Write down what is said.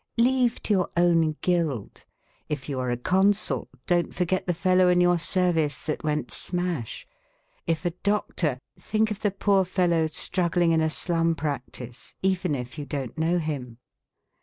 Leave to your own guild. If you are a consul, don't forget the fellow in your service that went smash ; if a doctor, think of the poor fellow strug gling in a slum practice even if you don't know him.